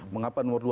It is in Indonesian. mengapa nomor dua